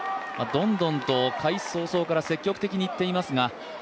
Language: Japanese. どんどん、開始早々から積極的にいっていますが。